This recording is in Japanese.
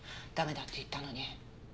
駄目だって言ったのに。